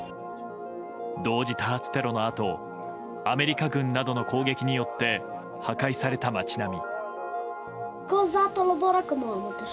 同時多発テロのあとアメリカ軍などの攻撃によって破壊された街並み。